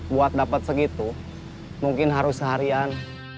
buat dapat segitu mungkin harus seharian